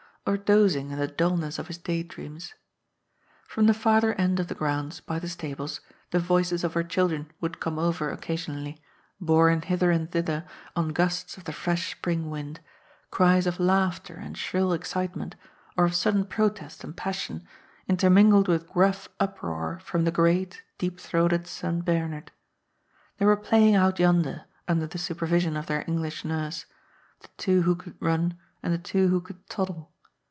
" Or dozing in the dulness of his day dreams ?" From the farther end of the grounds, by the stables, the voices of her children would come over occasionally, borne hither and thither on gusts of the fresh spring wind, cries of laughter and shrill excitement, or of sudden protest and passion, intermingled with gruff uproar from the great, deep throated St. Bernard. They were playing out yonder, under the supervision of their English nurse, the two who could run and the two who could toddle.